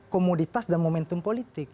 komoditas dan momentum politik